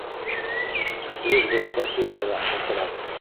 Служба спасенияға шылтырат!